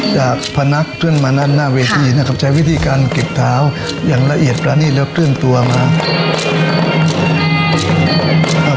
จากพนักเคลื่อนมานั่นหน้าเวทีนะครับใช้วิธีการเก็บเท้าอย่างละเอียดประณีดแล้วเคลื่อนตัวมา